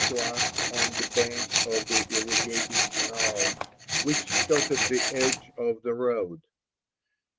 to us on the bank of the irrigating canal which skirted the edge of the road.